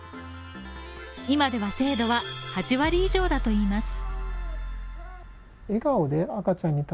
今では精度は８割以上だといいます。